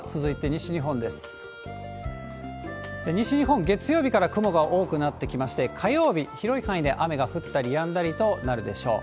西日本、月曜日から雲が多くなってきまして、火曜日、広い範囲で雨が降ったりやんだりとなるでしょう。